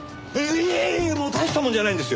いえいえもう大した物じゃないんですよ。